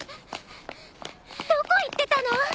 どこ行ってたの？